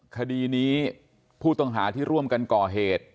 คดีนี้ผู้ต้องหาที่ร่วมกันก่อเหตุ